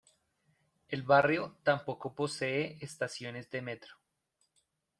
El barrio tampoco posee estaciones de Metro.